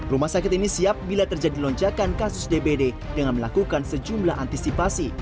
rumah sakit ini siap bila terjadi lonjakan kasus dbd dengan melakukan sejumlah antisipasi